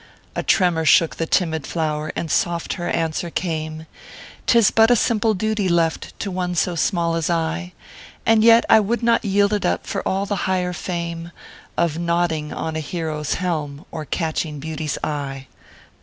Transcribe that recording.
A tremor shook the timid flower, and soft her answer came :" Tis but a simple duty left to one so small as I ; And yet I would not yield it up for all the higher famo Of nodding on a hero s helm, or catching beauty s eye.